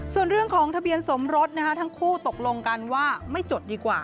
ส่วนเรื่องของทะเบียนสมรสทั้งคู่ตกลงกันว่าไม่จดดีกว่า